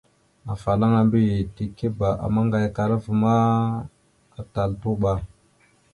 Afalaŋa mbiyez tikeba a məlam maŋgayakala ma, atal tuɓa.